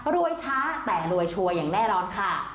รวยช้าแต่รวยชัวร์อย่างแน่นอนค่ะ